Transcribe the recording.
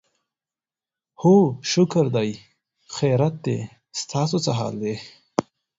هو شکر دی، خیریت دی، ستاسو څه حال دی؟